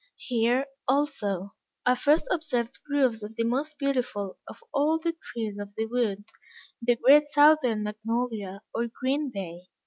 Here, also, I first observed groves of the most beautiful of all the trees of the wood the great Southern Magnolia, or Green Bay.